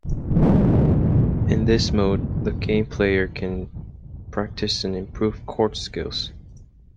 In this mode the game player can practice and improve court skills.